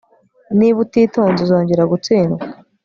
Niba utitonze uzongera gutsindwa